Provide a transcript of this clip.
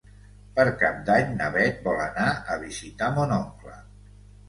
Per Cap d'Any na Beth vol anar a visitar mon oncle.